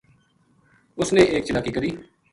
اس نے ایک چلاکی کری